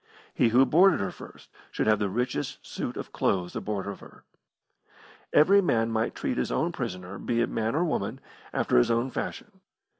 He who boarded her first should have the richest suit of clothes aboard of her. Every man might treat his own prisoner, be it man or woman, after his own fashion.